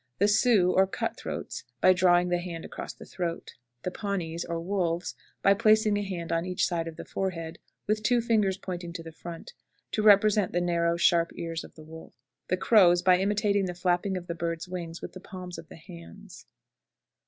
The Sioux, or "Cut throats," by drawing the hand across the throat. The Pawnees, or "Wolves," by placing a hand on each side of the forehead, with two fingers pointing to the front, to represent the narrow, sharp ears of the wolf. The Crows, by imitating the flapping of the bird's wings with the palms of the hands.